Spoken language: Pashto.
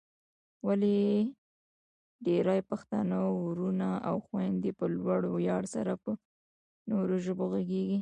ولې ډېرای پښتانه وروڼه او خويندې په لوړ ویاړ سره په نورو ژبو غږېږي؟